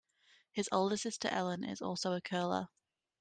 His older sister Ellen is also a curler.